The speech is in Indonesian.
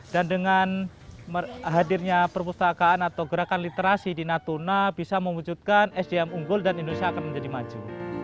dan dengan hadirnya perpustakaan atau gerakan literasi di natuna bisa memunculkan sdm unggul dan indonesia akan menjadi maju